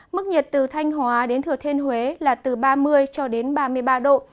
mức nhiệt từ thanh hóa đến thừa thên huế là từ ba mươi ba mươi ba độ